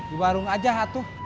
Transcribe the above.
di barung aja hatuh